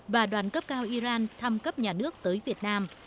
và đoàn cấp cao iran thăm cấp nhà nước tới việt nam